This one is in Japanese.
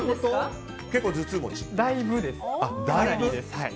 だいぶです。